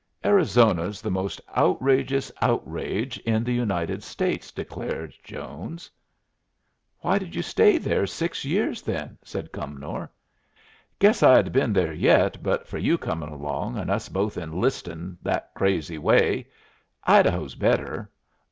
"Arizona's the most outrageous outrage in the United States," declared Jones. "Why did you stay there six years, then?" said Cumnor. "Guess I'd been there yet but for you comin' along and us both enlistin' that crazy way. Idaho's better.